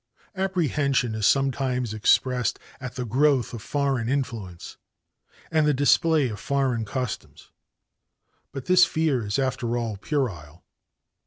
"Apprehension is sometimes expressed at the growth of foreign influence and the display of foreign customs, but this fear is after all puerile.